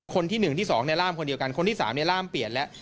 คนที่๑ที่๒ในร่ามคนเดียวกันคนที่๓ร่ามเปลี่ยนแล้ว